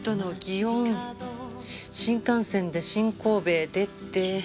新幹線で新神戸へ出て。